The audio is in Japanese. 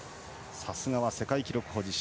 さすがは世界記録保持者。